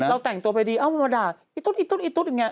เราแต่งตัวไปดีมันมาด่าอิตุ๊ดอิตุ๊ดอิตุ๊ดอย่างนี้